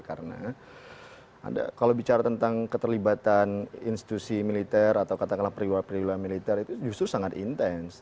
karena kalau bicara tentang keterlibatan institusi militer atau periwa periwa militer justru sangat intens